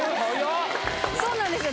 そうなんですよ